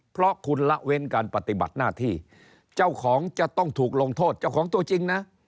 เพราะคุณละเว้นการปฏิบัติหน้าที่เจ้าของจะต้องถูกลงโทษเจ้าของตัวจริงนะ